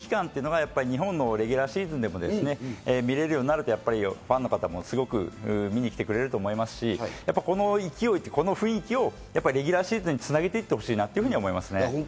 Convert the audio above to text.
この試合の中で見て、熱さとか空気感というのが、日本のレギュラーシーズンでも見られるようになると、ファンの方もすごく見に来てくれると思いますし、この勢い、この雰囲気をレギュラーシーズンにつなげていってほしいなと思いますね。